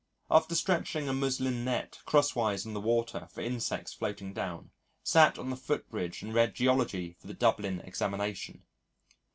After stretching a muslin net crosswise on the water for insects floating down, sat on the footbridge and read Geology for the Dublin Examination.